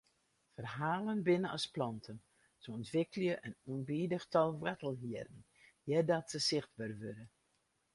Ferhalen binne as planten, se ûntwikkelje in ûnbidich tal woartelhierren eardat se sichtber wurde.